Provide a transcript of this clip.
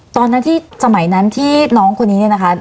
ตอนที่จมัยนั้นที่น้องคนนี้นะคะ